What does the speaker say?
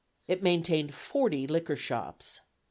It maintained forty liquor shops.